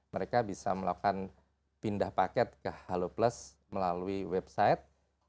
mereka bisa melakukan pindah paket ke halo plus melalui website